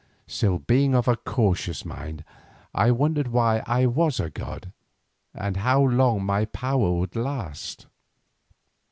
Still being of a cautious mind I wondered why I was a god, and how long my power would last.